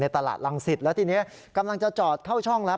ตลาดรังสิตแล้วทีนี้กำลังจะจอดเข้าช่องแล้ว